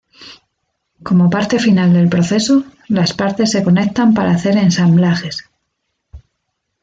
Como parte final del proceso, las partes se conectan para hacer ensamblajes.